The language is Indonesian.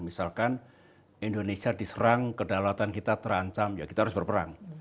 misalkan indonesia diserang kedaulatan kita terancam ya kita harus berperang